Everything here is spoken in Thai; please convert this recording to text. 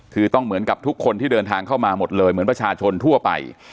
คือต้องเหมือนกับทุกคนที่เดินทางเข้ามาหมดเลยเหมือนประชาชนทั่วไป